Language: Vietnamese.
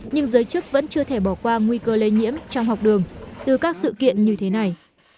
nhưng giới chức vẫn chưa thể bỏ qua nguy cơ lây nhiễm trong học đường từ các sự kiện như thế này